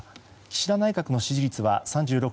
岸田内閣の支持率は３６．３％。